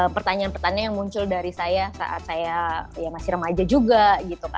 pertanyaan pertanyaan yang muncul dari saya saat saya masih remaja juga gitu